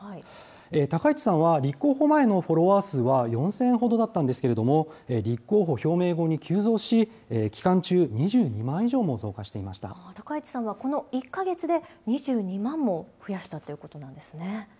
高市さんは立候補前のフォロワー数は４０００ほどだったんですけれども、立候補表明後に急増し、期間中、２２万以上も増加してい高市さんはこの１か月で、２２万も増やしたということなんですね。